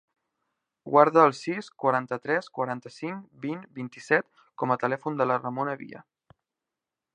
Guarda el sis, quaranta-tres, quaranta-cinc, vint, vint-i-set com a telèfon de la Ramona Via.